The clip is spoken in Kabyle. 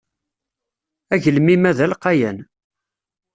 Agelmim-a d alqayan.